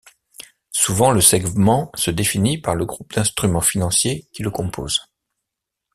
Souvent le segment se définit par le groupe d'instruments financiers qui le compose.